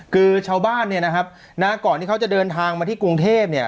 คือชาวบ้านเนี่ยนะครับนะก่อนที่เขาจะเดินทางมาที่กรุงเทพเนี่ย